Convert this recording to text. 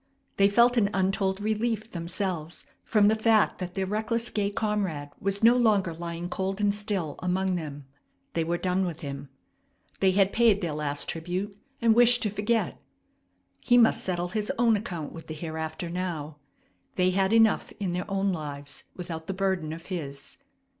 They felt an untold relief themselves from the fact that their reckless, gay comrade was no longer lying cold and still among them. They were done with him. They had paid their last tribute, and wished to forget. He must settle his own account with the hereafter now; they had enough in their own lives without the burden of his.